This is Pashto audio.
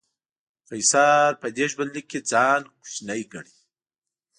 قیصر په دې ژوندلیک کې ځان کوچنی ګڼي.